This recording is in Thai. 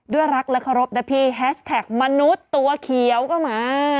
รักและเคารพนะพี่แฮชแท็กมนุษย์ตัวเขียวก็มา